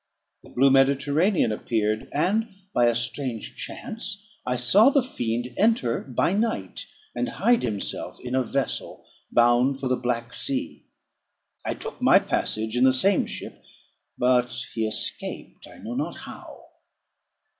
The blue Mediterranean appeared; and, by a strange chance, I saw the fiend enter by night, and hide himself in a vessel bound for the Black Sea. I took my passage in the same ship; but he escaped, I know not how.